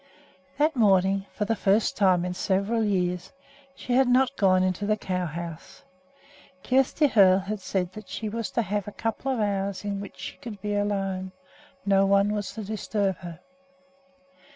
That morning, for the first time in several years, she had not gone into the cow house. Kjersti Hoel had said that she was to have a couple of hours in which she could be alone. No one was to disturb her.